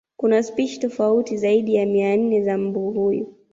Kuna spishi tofauti zaidi ya mia nne za mbu huyu